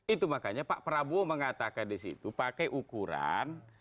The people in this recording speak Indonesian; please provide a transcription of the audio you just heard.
itu makanya pak prabowo mengatakan di situ pakai ukuran